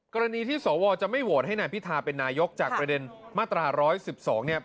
กรณีที่สวจะไม่โหวตให้นายพิธาเป็นนายกจากประเด็นมาตรา๑๑๒เนี่ย